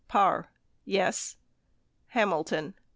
Parr. Yes. Hamilton.